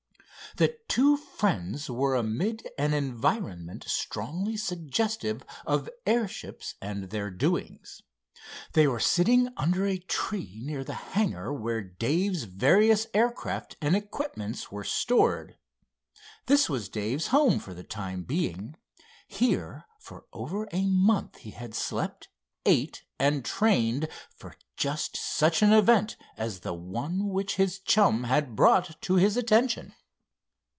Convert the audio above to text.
The two friends were amid an environment strongly suggestive of airships and their doings. They were sitting under a tree near the hangar where Dave's various aircraft and equipments were stored. This was Dave's home, for the time being. Here, for over a month he had slept, ate and trained for just such an event as the one which his chum had brought to his attention.